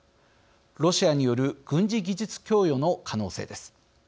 ロシアによる軍事技術供与の可能性です。